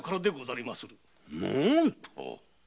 何と！？